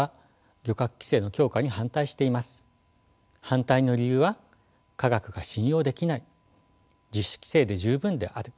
反対の理由は「科学が信用できない」「自主規制で十分である」